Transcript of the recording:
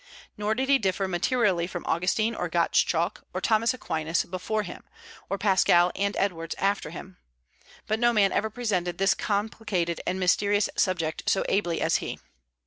Nor did he differ materially from Augustine, or Gottschalk, or Thomas Aquinas before him, or Pascal and Edwards after him. But no man ever presented this complicated and mysterious subject so ably as he.